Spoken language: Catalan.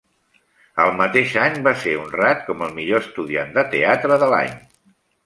El mateix any va ser honrat com el millor estudiant de teatre de l'any.